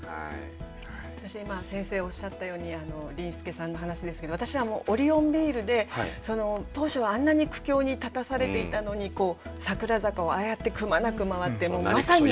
私今先生おっしゃったように林助さんの話ですけど私はオリオンビールで当初はあんなに苦境に立たされていたのに桜坂をああやってくまなく回ってまさに。